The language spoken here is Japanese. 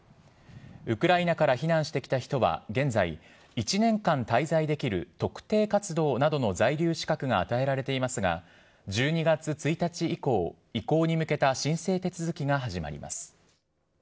ウクライナから避難してきた人は、現在、１年間滞在できる特定活動などの在留資格が与えられていますが、１２月１日以降、移行に向けた申請手続きが始まります。